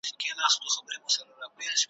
او تر نني ورځي پوري ,